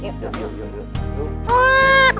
yuk yuk yuk